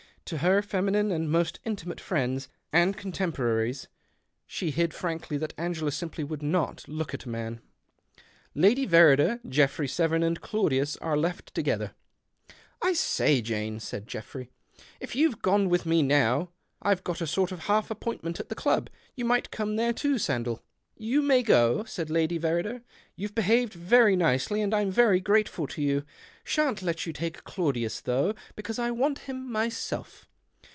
To her feminine and most intimate friends and contemporaries she THE OCTAVE OF CLAUDIUS. 175 id frankly that Angela simply would not ok at a man. Lady Verrider, Geoffrey Severn, and Claudius 3re left together. " I say, Jane," said Geoffrey, " if you've me with me now, I've got a sort of half )pointment at the club. You might come lere too, Sandell." " You may go," said Lady Verrider. You've behaved very nicely, and I'm very :ateful to you. Shan't let you take Claudius LOUgh, because I want him myself.